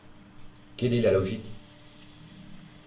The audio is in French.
Quelle est la logique?